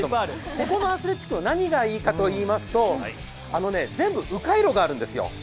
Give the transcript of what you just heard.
ここのアスレチックはなにがいいかといいますと全部う回路があるんです。